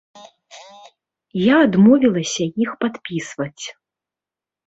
Я адмовілася іх падпісваць.